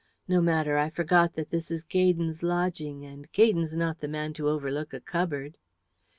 No matter; I forgot that this is Gaydon's lodging, and Gaydon's not the man to overlook a cupboard."